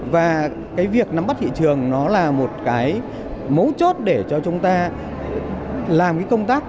và cái việc nắm bắt thị trường nó là một cái mấu chốt để cho chúng ta làm cái công tác